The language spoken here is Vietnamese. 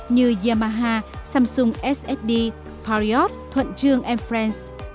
như yamaha samsung ssd pariot thuận trương friends